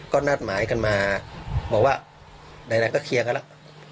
ก็นัดหมายกันมาบอกว่าไหนก็เคลียร์กันแล้ว